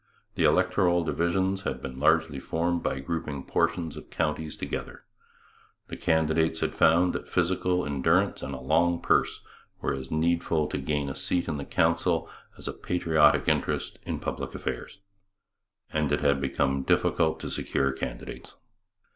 The electoral divisions had been largely formed by grouping portions of counties together; the candidates had found that physical endurance and a long purse were as needful to gain a seat in the Council as a patriotic interest in public affairs; and it had become difficult to secure candidates.